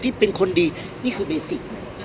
พี่อัดมาสองวันไม่มีใครรู้หรอก